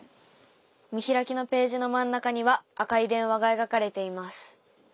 見開きのページの真ん中には赤い電話が描かれています。